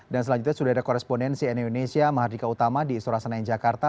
dan selanjutnya sudah ada koresponensi indonesia mahardika utama di istora senayan jakarta